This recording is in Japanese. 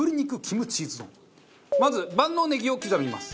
まず万能ネギを刻みます。